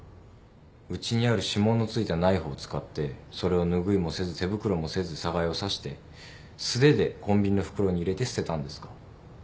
うちにある指紋のついたナイフを使ってそれを拭いもせず手袋もせず寒河江を刺して素手でコンビニの袋に入れて捨てたんですか？